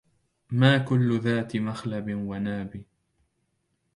ما كل ذات مخلب وناب